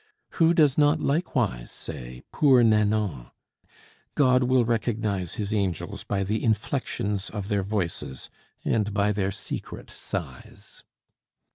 Who does not likewise say, "Poor Nanon!" God will recognize his angels by the inflexions of their voices and by their secret sighs.